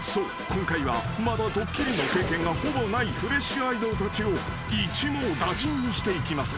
今回はまだドッキリの経験がほぼないフレッシュアイドルたちを一網打尽にしていきます］